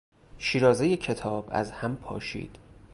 شیرازهٔ کتاب از هم پاشید.